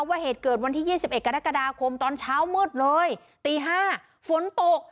ว่าเหตุเกิดวันที่ยี่สิบเอ็กซ์กระดาษกรมตอนเช้ามืดเลยตีห้าฝนตก